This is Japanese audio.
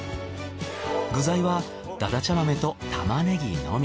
具材はだだちゃ豆とタマネギのみ。